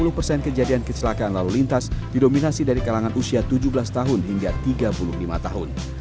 dua puluh persen kejadian kecelakaan lalu lintas didominasi dari kalangan usia tujuh belas tahun hingga tiga puluh lima tahun